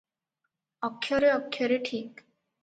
ଅକ୍ଷରେ ଅକ୍ଷରେ ଠିକ୍ ।